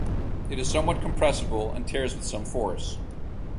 It is somewhat compressible and tears with some force.